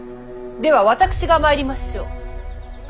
では私が参りましょう。